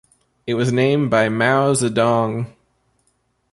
It was named by Mao Zedong.